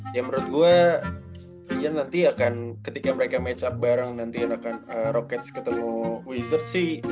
ya menurut gue dia nanti akan ketika mereka match up bareng nanti rokets ketemu waizer sih